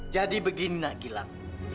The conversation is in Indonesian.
jadi begini nak gilang